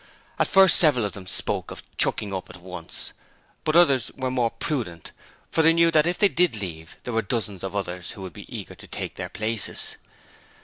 At first several of them spoke of 'chucking up', at once; but others were more prudent, for they knew that if they did leave there were dozens of others who would be eager to take their places.